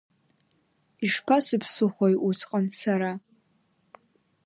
Ишԥасыԥсыхәои усҟан сара?